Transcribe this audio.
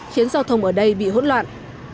khiến giao thông ở đây bị hỗn loạn